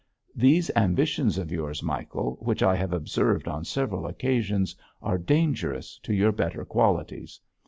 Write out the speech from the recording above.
These ambitions of yours, Michael, which I have observed on several occasions, are dangerous to your better qualities.